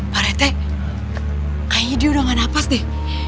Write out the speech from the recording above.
parete kayaknya dia udah gak napas deh